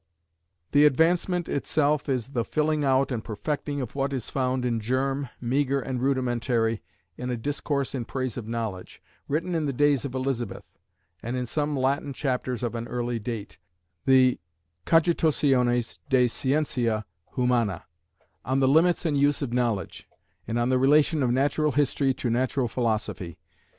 The Advancement itself is the filling out and perfecting of what is found in germ, meagre and rudimentary, in a Discourse in Praise of Knowledge, written in the days of Elizabeth, and in some Latin chapters of an early date, the Cogitationes de Scientia Humana, on the limits and use of knowledge, and on the relation of natural history to natural philosophy.